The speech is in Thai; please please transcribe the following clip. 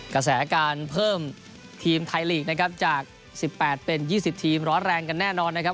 กระแสการเพิ่มทีมไทยลีกนะครับจาก๑๘เป็น๒๐ทีมร้อนแรงกันแน่นอนนะครับ